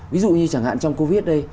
ví dụ như chẳng hạn trong covid đây